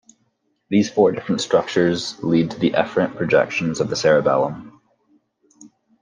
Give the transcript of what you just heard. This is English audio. These four different structures lead to the efferent projections of the cerebellum.